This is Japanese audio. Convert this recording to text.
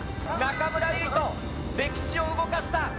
中村唯翔、歴史を動かした。